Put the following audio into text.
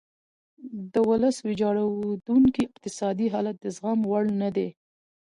د ولس ویجاړیدونکی اقتصادي حالت د زغم وړ نه دی.